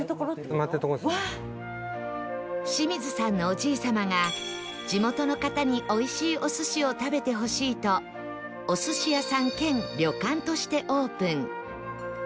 清水さんのおじい様が地元の方においしいお寿司を食べてほしいとお寿司屋さん兼旅館としてオープン